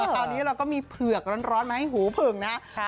คราวนี้เราก็มีเผือกร้อนมาให้หูผึ่งนะครับ